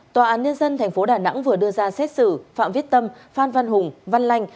tòa án nhân dân tp đà nẵng vừa đưa ra xét xử phạm viết tâm phan văn hùng văn lanh